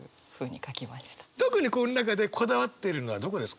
特にこの中でこだわっているのはどこですか？